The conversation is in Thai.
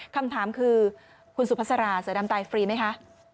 คำถามคือคุณสุภาษาเสือดำตายฟรีไหมคะ